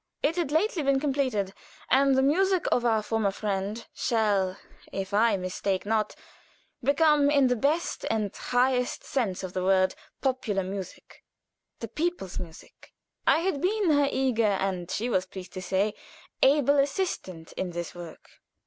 It had lately been completed; and the music of our former friend shall, if I mistake not, become, in the best and highest sense of the word, popular music the people's music. I had been her eager and, she was pleased to say, able assistant in the work.